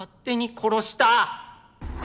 殺した？